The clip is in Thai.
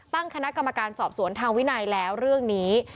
ตั้งคณะกรรมการสอบสวนทางวินัยแล้วเรื่องนี้